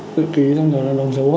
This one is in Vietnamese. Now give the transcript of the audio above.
đi ký xong rồi nó nóng dấu vào